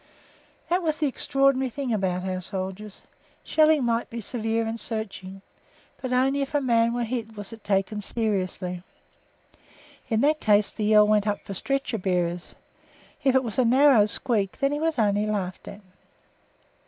That was the extraordinary thing about our soldiers. Shelling might be severe and searching, but only if a man was hit was it taken seriously. In that case a yell went up for stretcher bearers; if it was a narrow squeak, then he was only laughed at.